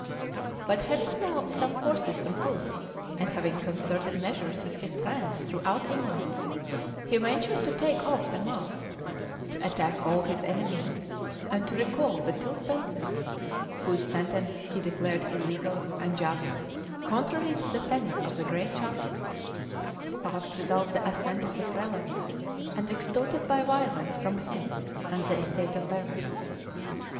But having now some forces on foot, and having concerted measures with his friends throughout England, he ventured to take off the mask, to attack all his enemies, and to recall the two Spensers, whose sentence he declared illegal, unjust, contrary to the tenor of the Great Charter, passed without the assent of the prelates, and extorted by violence from him and the estate of barons.